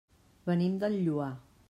Venim del Lloar.